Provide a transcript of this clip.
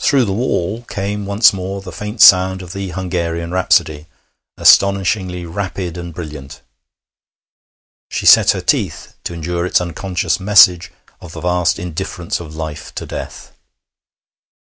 Through the wall came once more the faint sound of the Hungarian Rhapsody, astonishingly rapid and brilliant. She set her teeth to endure its unconscious message of the vast indifference of life to death.